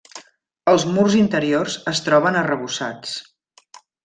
Els murs interiors es troben arrebossats.